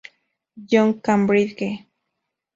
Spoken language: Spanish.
John, Cambridge.